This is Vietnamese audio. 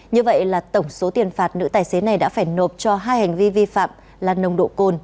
như vậy là tổng số tiền phạt nữ tài xế này đã phải nộp cho hai hành vi vi phạm là nồng độ cồn